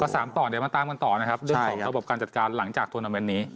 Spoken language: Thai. ก็๓ต่อเดี๋ยวมาตามกันต่อนะครับเรื่องของระบบการจัดการหลังจากธุรกิจตอนการเที่ยวนี้